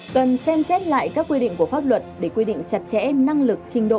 cần xem xét lại các quy định của pháp luật để quy định chặt chẽ năng lực trình độ